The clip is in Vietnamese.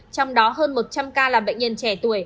trong đó hơn một trăm linh ca là bệnh nhân trẻ tuổi